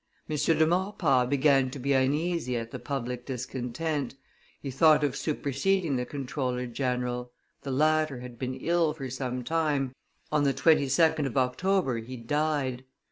M. de Maurepas began to be uneasy at the public discontent, he thought of superseding the comptroller general: the latter had been ill for some time, on the 22d of October he died.